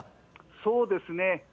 そうですね。